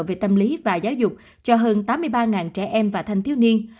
về tâm lý và giáo dục cho hơn tám mươi ba trẻ em và thanh thiếu niên